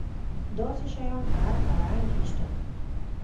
داسې شیان په هر فرهنګ کې شته.